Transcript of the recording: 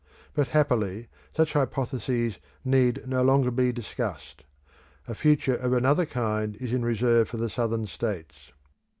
But happily such hypotheses need no longer be discussed; a future of another kind is in reserve for the Southern states.